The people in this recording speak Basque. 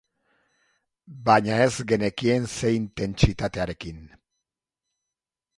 Baina ez genekien ze intentsitarekin.